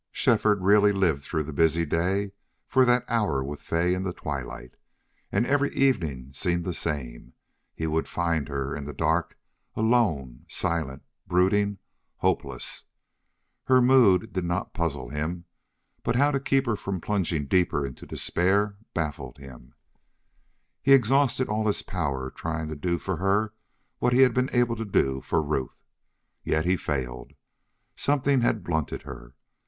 Shefford really lived through the busy day for that hour with Fay in the twilight. And every evening seemed the same. He would find her in the dark, alone, silent, brooding, hopeless. Her mood did not puzzle him, but how to keep from plunging her deeper into despair baffled him. He exhausted all his powers trying to do for her what he had been able to do for Ruth. Yet he failed. Something had blunted her.